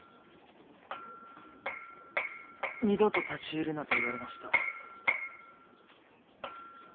二度と立ち入るなと言われました。